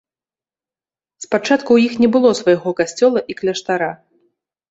Спачатку ў іх не было свайго касцёла і кляштара.